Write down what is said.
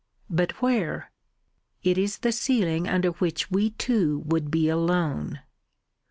"But where?" "It is the ceiling under which we two would be alone...."